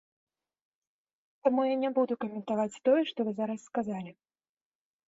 Таму я не буду каментаваць тое, што вы зараз сказалі.